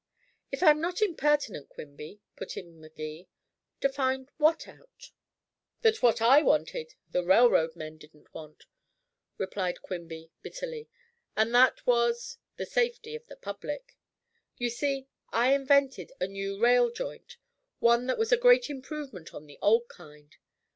"If I'm not impertinent, Quimby," put in Magee, "to find what out?" "That what I wanted, the railroad men didn't want," replied Quimby bitterly, "and that was the safety of the public. You see, I invented a new rail joint, one that was a great improvement on the old kind.